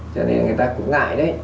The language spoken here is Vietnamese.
cho nên là người ta cũng ngại đấy